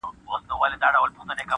نکړې چا راټولي ستا تر غېږي اواره ګرځي,